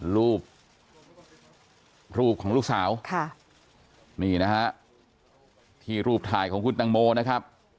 รูปรูปของลูกสาวค่ะนี่นะฮะที่รูปถ่ายของคุณตังโมนะครับ